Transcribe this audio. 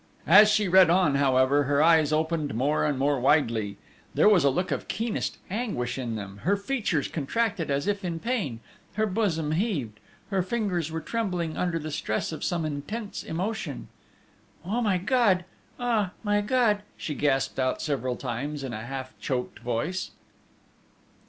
As she read on, however, her eyes opened more and more widely, there was a look of keenest anguish in them, her features contracted as if in pain, her bosom heaved, her fingers were trembling under the stress of some intense emotion: "Oh, my God! Ah! My God!" she gasped out several times in a half choked voice.